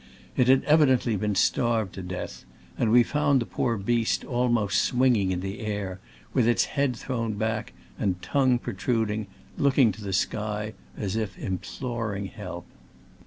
It had evident ly been starved to death, and we found the poor beast almost swinging in the air, with its head thrown back and tongue protruding, looking to the sky as if imploring help.